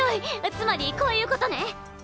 つまりこういうことね。